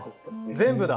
全部だ。